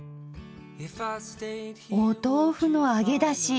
お豆腐の揚げだし！